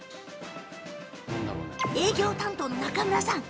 営業担当の中村さん